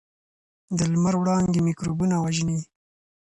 د لمر وړانګې میکروبونه وژني.